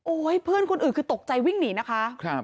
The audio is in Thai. เพื่อนคนอื่นคือตกใจวิ่งหนีนะคะ